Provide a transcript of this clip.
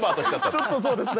ちょっとそうですね。